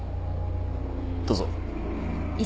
どうぞ。